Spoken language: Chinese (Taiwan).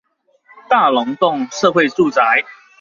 大龍峒社會住宅